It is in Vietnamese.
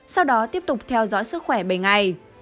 sau đó tiếp tục theo dõi sức khỏe bảy ngày